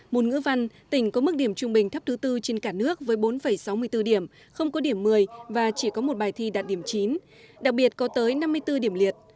môn ngữ văn tỉnh có mức điểm trung bình thấp thứ bốn trên cả nước với bốn sáu mươi bốn điểm không có điểm một mươi và chỉ có một bài thi đạt điểm chín đặc biệt có tới năm mươi bốn điểm liệt